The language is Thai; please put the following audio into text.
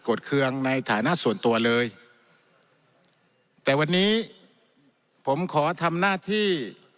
ดเคืองในฐานะส่วนตัวเลยแต่วันนี้ผมขอทำหน้าที่